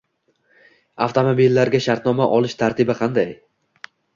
Avtomobillarga shartnoma olish tartibi qanday?